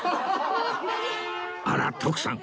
あら徳さん